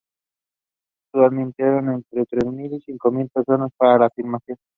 Se admitieron entre tres mil y cinco mil personas para la filmación.